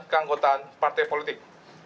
keanggotaan partai politik